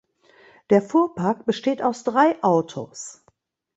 Der Fuhrpark besteht aus drei Autos.